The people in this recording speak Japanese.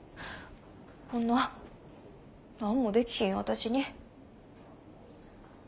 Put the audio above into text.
こんな何もできひん私に。